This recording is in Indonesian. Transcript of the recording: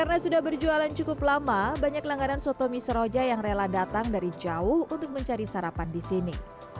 karena sudah berjualan cukup lama banyak langgaran sotomi saroja yang rela datang dari jauh untuk mencari sarapan di sini